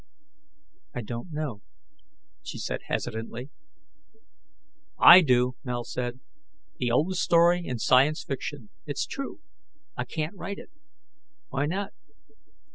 "I don't know," she said hesitantly. "I do!" Mel said. "The oldest story in science fiction; it's true; I can't write it." "Why not?"